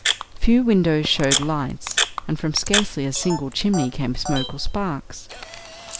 Few windows showed lights, and from scarcely a single chimney came smoke or sparks.